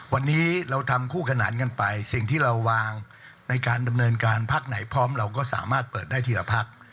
วันนี้เราทำคู่ขนานกันไปสิ่งที่เราวางในการดำเนินการพักไหนพร้อมเราก็สามารถเปิดได้ทีละพัก